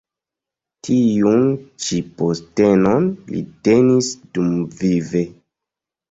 Tiun ĉi postenon li tenis dumvive.